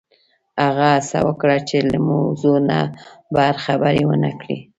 هغې هڅه وکړه چې له موضوع نه بهر خبرې ونه کړي